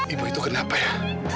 ibu itu kenapa ya